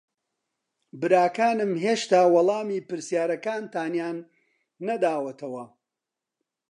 براکانم هێشتا وەڵامی پرسیارەکانتیان نەداوەتەوە.